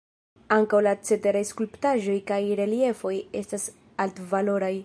Ankaŭ la ceteraj skulptaĵoj kaj reliefoj estas altvaloraj.